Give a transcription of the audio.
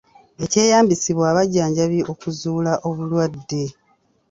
Ekyeyambisibwa abajjanjabi okuzuula obulwadde.